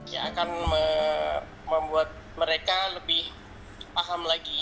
yang akan membuat mereka lebih paham lagi